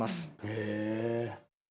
へえ。